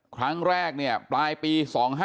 ครั้งแรกเนี่ยปลายปี๒๕๕๙